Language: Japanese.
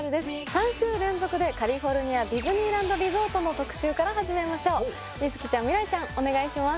３週連続でカリフォルニアディズニーランド・リゾートの特集から始めましょう美月ちゃん未来ちゃんお願いします